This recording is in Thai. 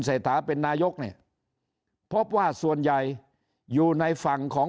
เศรษฐาเป็นนายกเนี่ยพบว่าส่วนใหญ่อยู่ในฝั่งของ